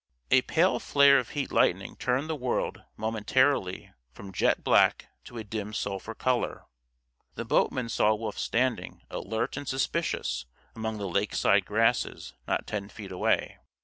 A pale flare of heat lightning turned the world, momentarily, from jet black to a dim sulphur color. The boatman saw Wolf standing, alert and suspicious, among the lakeside grasses, not ten feet away.